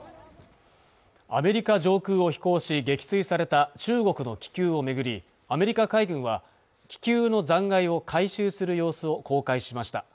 アメリカ上空を飛行し撃墜された中国の気球をめぐりアメリカ海軍は気球の残骸を回収する様子を公開しました